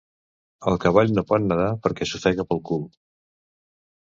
El cavall no pot nedar perquè s'ofega pel cul.